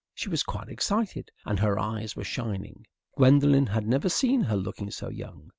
She was quite excited, and her eyes were shining. Gwendolen had never seen her looking so young.